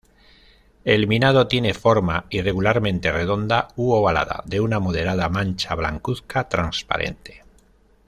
El minado tiene forma, irregularmente redonda u ovalada, de una moderada mancha blancuzca transparente.